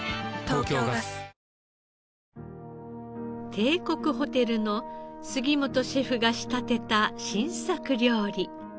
帝国ホテルの杉本シェフが仕立てた新作料理。